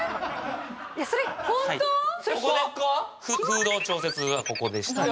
フード調節はここでして。